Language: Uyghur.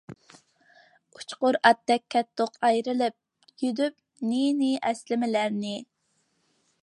ئۇچقۇر ئاتتەك كەتتۇق ئايرىلىپ، يۈدۈپ نى-نى ئەسلىمىلەرنى.